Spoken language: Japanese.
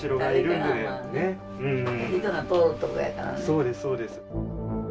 そうですそうです。